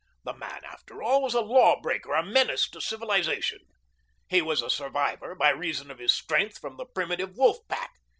The man, after all, was a law breaker, a menace to civilization. He was a survivor by reason of his strength from the primitive wolf pack.